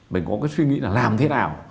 mình có cái suy nghĩ là làm thế nào